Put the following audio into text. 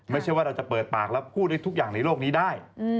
ไม่ใช่ว่าเราจะเปิดปากแล้วพูดได้ทุกอย่างในโลกนี้ได้